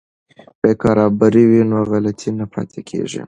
که رابر وي نو غلطي نه پاتې کیږي.